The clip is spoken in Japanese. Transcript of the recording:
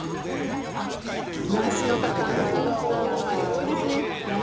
なしの方やはり多いですね。